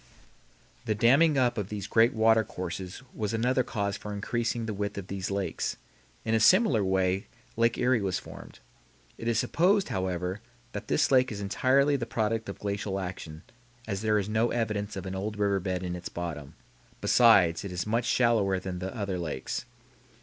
The damming up of these great water courses was another cause for increasing the width of these lakes. In a similar way Lake Erie was formed. It is supposed, however, that this lake is entirely the product of glacial action, as there is no evidence of an old river bed in its bottom; besides, it is much shallower than the other lakes.